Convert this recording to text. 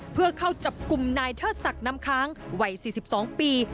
เพื่อเข้าจับกลุ่มนายเทิดศักดิ์น้ำค้างวัย๔๒ปี